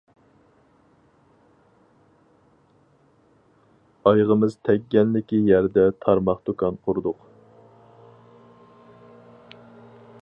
ئايىغىمىز تەگكەنلىكى يەردە تارماق دۇكان قۇردۇق.